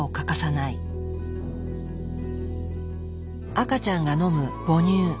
赤ちゃんが飲む母乳。